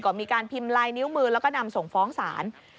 ก็มีการพิมพ์ลายนิ้วมือแล้วก็นำส่งฟ้องศาล